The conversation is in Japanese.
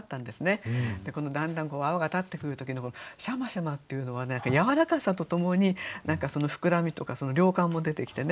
だんだん泡が立ってくる時の「しゃましゃま」っていうのは何かやわらかさとともに膨らみとか量感も出てきてね